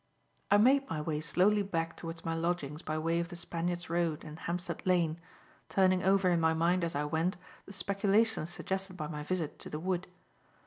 I made my way slowly back towards my lodgings by way of the Spaniard's Road and Hampstead Lane, turning over in my mind as I went, the speculation suggested by my visit to the wood.